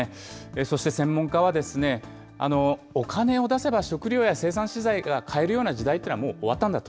そして専門家はですね、お金を出せば食料や生産資材が買えるような時代というのはもう終わったんだと。